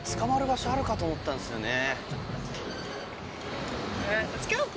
場所あるかと思ったんですよね。